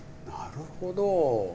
なるほど。